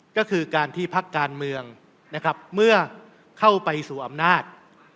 ก็คือการที่พักการเมืองนะครับเมื่อเข้าไปสู่อำนาจ